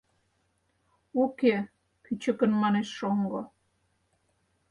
— Уке, — кӱчыкын манеш шоҥго.